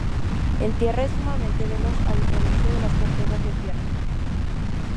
En tierra es sumamente veloz, a diferencia de las tortugas de tierra.